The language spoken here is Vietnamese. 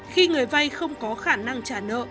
khi người vay không có khả năng trả nợ